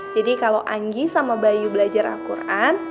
jadi kalau anggi sama bayu belajar al quran